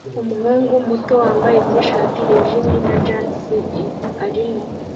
Umuhungu muto wambaye t-shati yijimye na jans arimo